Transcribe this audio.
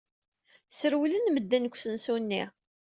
Srewlen medden seg usensu-nni.